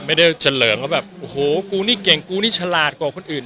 เฉลิงว่าแบบโอ้โหกูนี่เก่งกูนี่ฉลาดกว่าคนอื่น